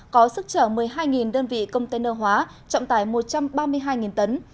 có sức trở một mươi hai đơn vị container hóa trọng tải một trăm ba mươi hai tấn